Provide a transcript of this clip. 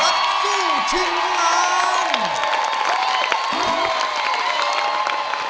นักสู้ชิงล้าน